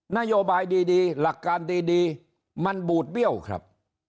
นโยบายดีหลักการดีมันบูดเบี้ยวครับ